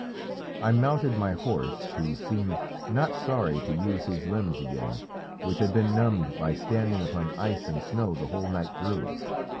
I mounted my horse, who seemed not sorry to use his limbs again, which had been numbed by standing upon ice and snow the whole night through.